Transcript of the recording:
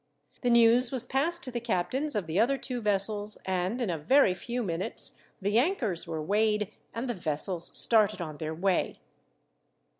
The news was passed to the captains of the other two vessels, and in a very few minutes the anchors were weighed, and the vessels started on their way.